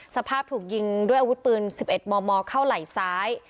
สภาพถูกยิงด้วยอาวุธปืน๑๑มมเข้าไหล่ซ้าย